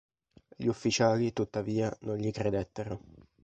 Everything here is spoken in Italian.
Gli ufficiali tuttavia non gli credettero.